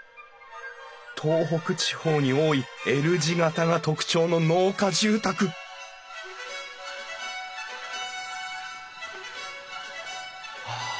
東北地方に多いＬ字形が特徴の農家住宅はあ